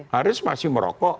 haris masih merokok